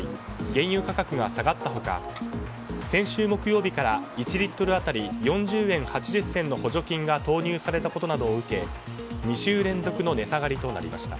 原油価格が下がった他先週木曜日から１リットル当たり４０円８０銭の補助金が投入されたことを受け２週連続の値下がりとなりました。